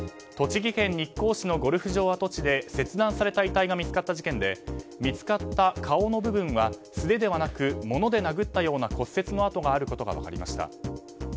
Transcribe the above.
栃木県日光市のゴルフ場跡地で切断された遺体が見つかった事件で見つかった顔の部分は素手ではなく、物で殴ったような骨折の跡があることが分かりました。